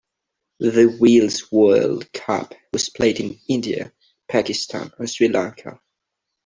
The Wills World Cup was played in India, Pakistan and Sri Lanka.